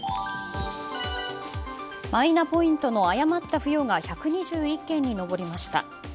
マイナポイントの誤った付与が１２１件に上りました。